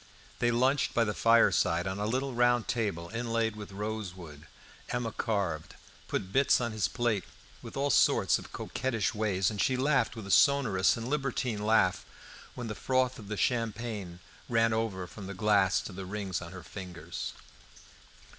They lunched by the fireside on a little round table, inlaid with rosewood. Emma carved, put bits on his plate with all sorts of coquettish ways, and she laughed with a sonorous and libertine laugh when the froth of the champagne ran over from the glass to the rings on her fingers.